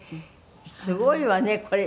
すごいわねこれ。